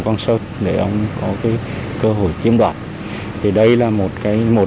không chỉ lừa đảo đền bù